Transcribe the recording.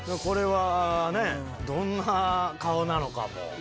これはねどんな顔なのかも。